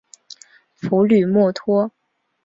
普吕默托。